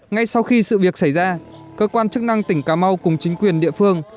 ngay sau khi sự việc xảy ra cơ quan chức năng tỉnh cà mau cùng chính quyền địa phương